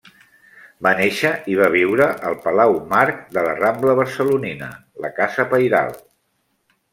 Va néixer i va viure al Palau Marc de la rambla barcelonina, la casa pairal.